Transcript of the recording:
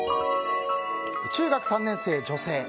中学３年生、女性。